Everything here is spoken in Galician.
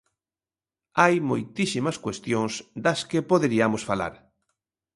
Hai moitísimas cuestións das que poderiamos falar.